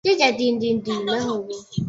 亚兹德省是伊朗三十一个省份之一。